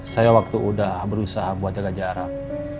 saya waktu udah berusaha buat jaga jarak